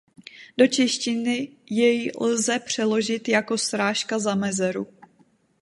Do češtiny jej lze přeložit jako „srážka za mezeru“.